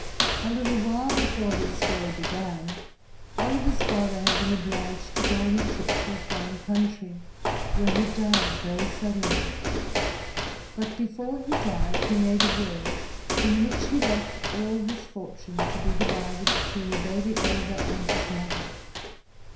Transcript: A little while before this story began, Oliver's father had been obliged to go on a trip to a foreign country, where he died very suddenly. But before he died he made a will, in which he left all his fortune to be divided between the baby Oliver and his mother.